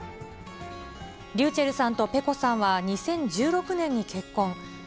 ｒｙｕｃｈｅｌｌさんとｐｅｃｏさんは２０１６年に結婚。